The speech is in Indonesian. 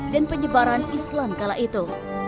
dan penyebaran islam kala itu